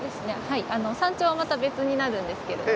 山頂はまた別にあるんですけれども。